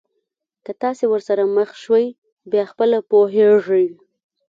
که تاسي ورسره مخ شوی بیا خپله پوهېږئ.